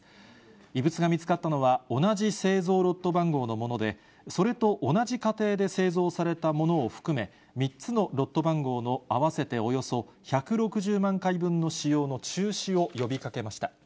異物が見つかったのは同じ製造ロット番号のもので、それと同じ過程で製造されたものを含め、３つのロット番号の合わせておよそ１６０万回分の使用の中止を呼びかけました。